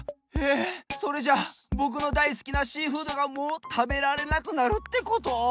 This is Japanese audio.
えそれじゃぼくのだいすきなシーフードがもうたべられなくなるってこと？